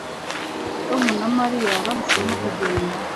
Tom na Mariya bahisemo kugenda